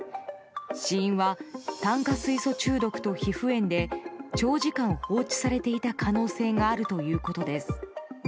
死因は炭化水素中毒と皮膚炎で長時間放置されていた可能性があるということです。